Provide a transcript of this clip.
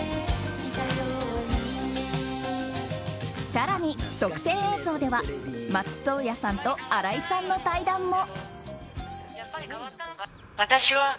更に、特典映像では松任谷さんと荒井さんの対談も。